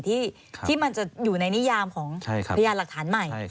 ที่มันจะอยู่ในนิยามของพยานหลักฐานใหม่